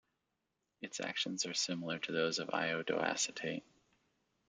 Its actions are similar to those of iodoacetate.